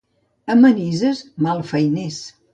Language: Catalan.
A Manises, malfeiners.